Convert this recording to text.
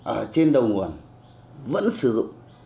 ở trên đầu nguồn vẫn sử dụng